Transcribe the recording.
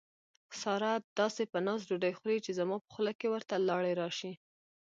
ساره داسې په ناز ډوډۍ خوري، چې زما په خوله کې ورته لاړې راشي.